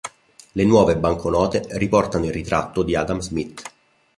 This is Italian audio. Le nuove banconote riportano il ritratto di Adam Smith.